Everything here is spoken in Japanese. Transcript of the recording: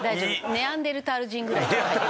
ネアンデルタール人ぐらいは入ってる。